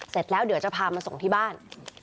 เสร็จแล้วเดี๋ยวจะพามาส่งที่บ้าน